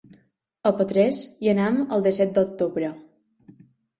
A Petrés hi anem el disset d'octubre.